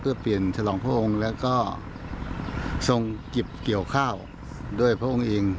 เพื่อเปลี่ยนฉลองพระองค์แล้วก็ทรงเก็บเกี่ยวข้าวด้วยพระองค์เอง